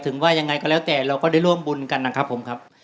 ว่ายังไงก็แล้วแต่เราก็ได้ร่วมบุญกันนะครับผมครับ